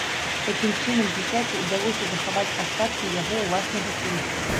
Такім чынам, дзіцяці ўдалося захаваць астаткі яго ўласнага слыху.